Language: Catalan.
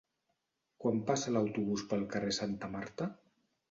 Quan passa l'autobús pel carrer Santa Marta?